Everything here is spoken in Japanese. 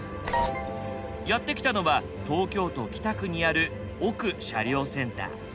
やって来たのは東京都北区にある尾久車両センター。